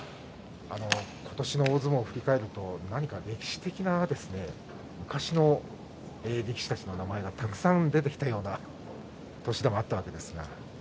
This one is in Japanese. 今年の大相撲を振り返ると何か歴史的な力士たちの名前が出てきたような年でもあったわけです。